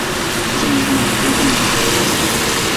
Ese mismo mes dio comienzo la Guerra Civil.